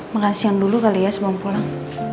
makan siang dulu kali ya sebelum pulang